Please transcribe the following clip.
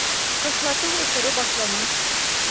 Ҡышлатыу осоро башлана